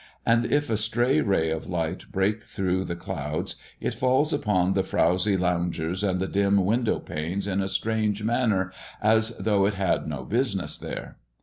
And if a stray ray of light break through the clouds, it falls upon the frowsy loungers and the dim window panes in a strange manner, as though it had no business there.